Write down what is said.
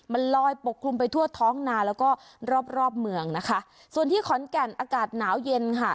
มันลอยปกคลุมไปทั่วท้องนาแล้วก็รอบรอบเมืองนะคะส่วนที่ขอนแก่นอากาศหนาวเย็นค่ะ